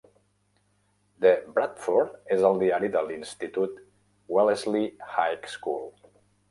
The Bradford és el diari de l'institut Wellesley High School.